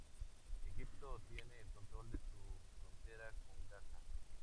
Egipto tiene el control de su frontera con Gaza.